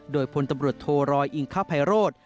โดยพลตำรวจโทรอยอิงคภัยโรธ